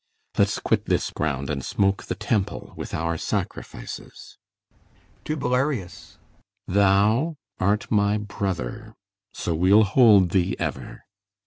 Let's quit this ground, And smoke the temple with our sacrifices. [To BELARIUS] Thou art my brother; so we'll hold thee ever.